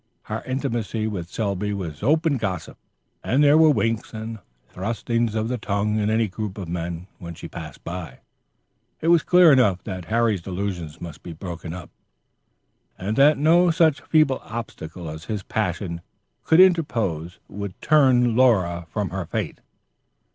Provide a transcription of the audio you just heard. Her intimacy with Selby was open gossip, and there were winks and thrustings of the tongue in any group of men when she passed by. It was clear enough that Harry's delusion must be broken up, and that no such feeble obstacle as his passion could interpose would turn Laura from her fate.